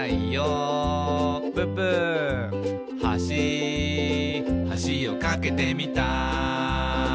「はしはしを架けてみた」